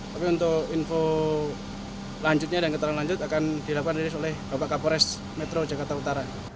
tapi untuk info selanjutnya dan keterangan lanjut akan dilakukan rilis oleh bapak kapolres metro jakarta utara